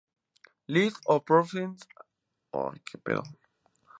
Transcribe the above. List of protected areas of Cambodia